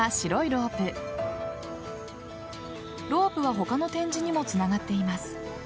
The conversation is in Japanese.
ロープは他の展示にもつながっています。